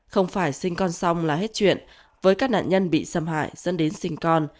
không phải sinh con xong là hết chuyện với các nạn nhân bị xâm hại dẫn đến sinh con